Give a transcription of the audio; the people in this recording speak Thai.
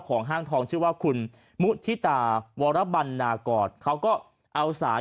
ห้างทองชื่อว่าคุณมุฒิตาวรบันนากรเขาก็เอาสาย